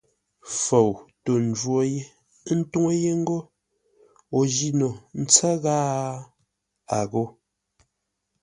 Fou tô ńjwó yé, ə́ ntúŋú yé ngô o jî no ntsə́ ghâa? A ghó.